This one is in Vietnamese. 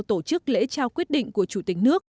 tổ chức lễ trao quyết định của chủ tịch nước